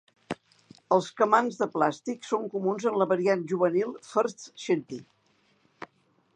Els "camans" de plàstic són comuns en la variant juvenil "First Shinty".